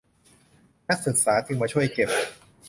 นักศึกษาจึงมาช่วยเก็บ